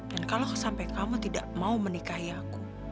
dan kalau sampai kamu tidak mau menikahi aku